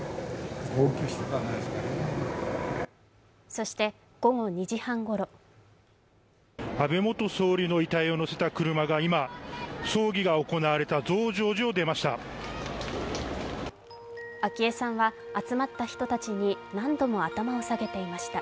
そして、午後２時半ごろ安倍元総理の遺体を乗せた車が今、葬儀が行われた増上寺を出ました。